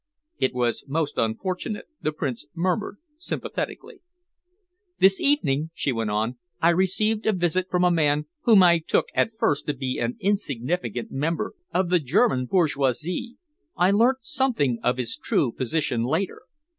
"It was most unfortunate," the Prince murmured sympathetically. "This evening," she went on, "I received a visit from a man whom I took at first to be an insignificant member of the German bourgeoisie. I learnt something of his true position later.